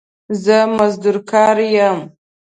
زه مزدور کار يم